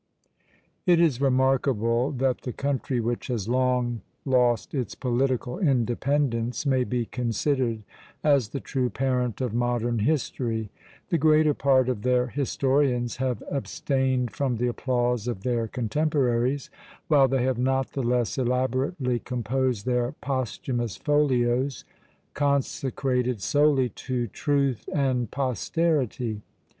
It is remarkable that the country which has long lost its political independence may be considered as the true parent of modern history. The greater part of their historians have abstained from the applause of their contemporaries, while they have not the less elaborately composed their posthumous folios, consecrated solely to truth and posterity!